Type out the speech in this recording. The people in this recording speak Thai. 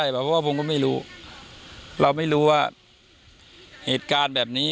อิสัยการบ้านเมื่อมากว่าใครก็จะทำแบบนี้